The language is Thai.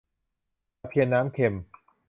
ตะเพียนน้ำเค็ม